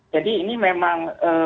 jadi ini memang